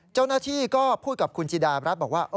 เจ้าหน้าที่ก็พูดกับคุณจิดารัฐบอกว่า